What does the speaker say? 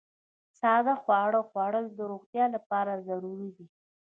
ساده خواړه خوړل د روغتیا لپاره ضروري دي.